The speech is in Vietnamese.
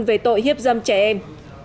về tội hiếp dâm trẻ em